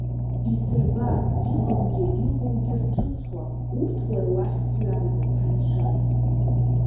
Исырба иҟамгьы иҟоугьы рҿыцуа, урҭ уара уахь сҩарго, Ҳазшаз.